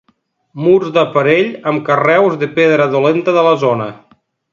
Murs d'aparell amb carreus de pedra dolenta de la zona.